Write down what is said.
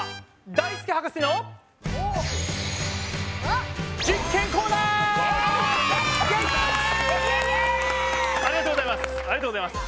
ありがとうございます。